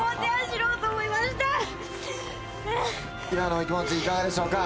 今のお気持ちいかがでしょうか？